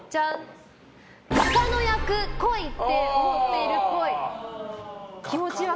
画家の役来いって思っているっぽい。